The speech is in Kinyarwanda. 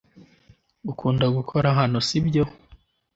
Ukunda gukorera hano, sibyo?